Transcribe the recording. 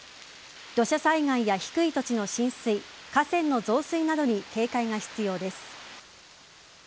土砂災害や低い土地の浸水河川の増水などに警戒が必要です。